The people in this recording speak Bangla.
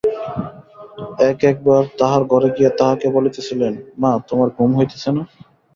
এক-এক বার তাহার ঘরে গিয়া তাহাকে বলিতেছিলেন, মা, তোমার ঘুম হইতেছে না?